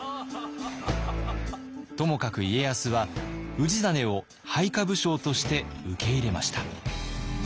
ともかく家康は氏真を配下武将として受け入れました。